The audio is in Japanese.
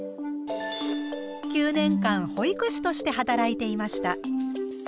９年間保育士として働いていました。